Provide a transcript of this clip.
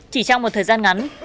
chỉ trong một thời gian ngắn